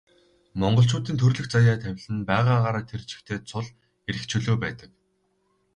Монголчуудын төрөлх заяа тавилан нь байгаагаараа тэр чигтээ цул эрх чөлөө байж.